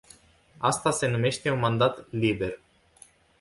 Asta se numește un mandat liber.